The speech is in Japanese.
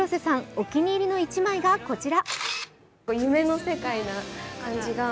お気に入りの１枚がこちら。